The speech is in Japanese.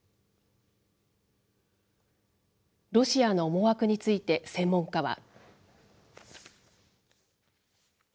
ロシアの思惑について専門家は。